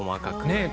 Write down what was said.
ねえ。